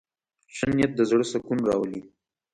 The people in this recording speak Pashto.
ښه نیت د زړه سکون راولي.